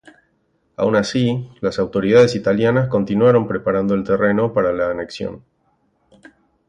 Aun así, las autoridades italianas continuaron preparando el terreno para la anexión.